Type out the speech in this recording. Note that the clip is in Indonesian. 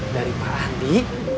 dari pak andi